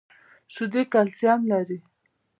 شیدې کلسیم لري